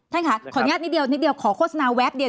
ท่านค่ะขอแง่นิดเดียวขอโฆษณาแวบเดี๋ยว